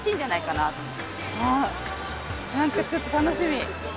なんかちょっと楽しみ。